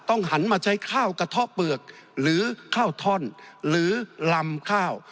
หันมาใช้ข้าวกระเทาะเปลือกหรือข้าวท่อนหรือลำข้าว